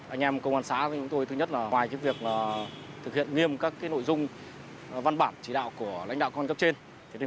anh em công an xã của tôi thứ nhất là ngoài việc thực hiện nghiêm các nội dung văn bản chỉ đạo của lãnh đạo công an cấp trên